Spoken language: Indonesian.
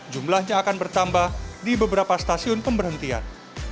jumlahnya akan bertambah di beberapa stasiun pemberhentian